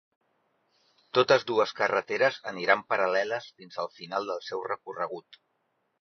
Totes dues carreteres aniran paral·leles fins al final del seu recorregut.